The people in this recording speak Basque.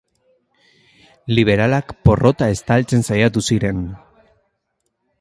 Liberalak porrota estaltzen saiatu ziren.